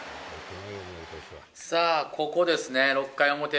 さあ、ここですね、６回表。